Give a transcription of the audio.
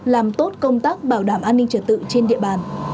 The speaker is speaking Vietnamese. làm tốt công tác bảo đảm an ninh trật tự trên địa bàn